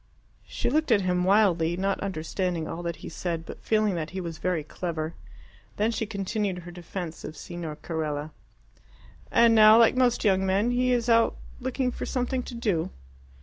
She looked at him wildly, not understanding all that he said, but feeling that he was very clever. Then she continued her defence of Signor Carella. "And now, like most young men, he is looking out for something to do."